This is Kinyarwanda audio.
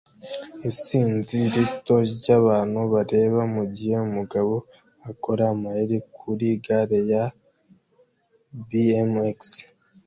Isinzi rito ryabantu bareba mugihe umugabo akora amayeri kuri gare ye ya BMX